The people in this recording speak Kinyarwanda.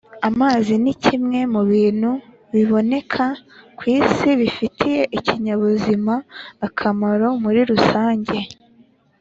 amazi ni kimwe mu bintu biboneka ku isi bifitiye ibinyabuzima akamaro muri rusange